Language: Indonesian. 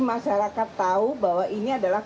masyarakat tahu bahwa ini adalah